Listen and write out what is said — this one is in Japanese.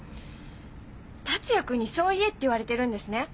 達也君にそう言えって言われてるんですね？